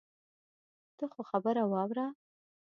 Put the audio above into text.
ته خو خبره واوره.